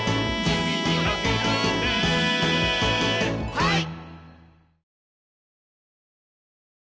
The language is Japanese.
はい！